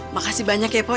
makasih banyak ya pok